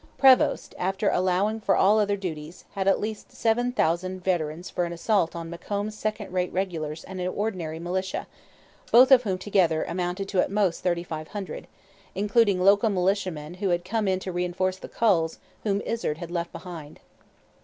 Prevost, after allowing for all other duties, had at least seven thousand veterans for an assault on Macomb's second rate regulars and ordinary militia, both of whom together amounted at most to thirty five hundred, including local militiamen who had come in to reinforce the 'culls' whom Izard had left behind.